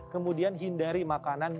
kemudian hindari makanan